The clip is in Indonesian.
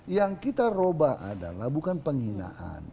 yang kita robah adalah bukan penghinaan